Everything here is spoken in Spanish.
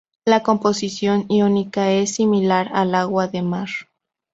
La composición iónica es similar al agua de mar.